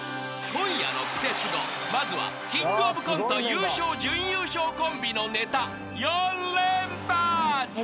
［今夜の『クセスゴ』まずはキングオブコント優勝準優勝コンビのネタ４連発］